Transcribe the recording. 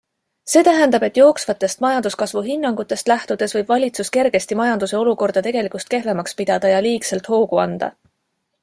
See tähendab, et jooksvatest majanduskasvu hinnangutest lähtudes võib valitsus kergesti majanduse olukorda tegelikust kehvemaks pidada ja liigselt hoogu anda.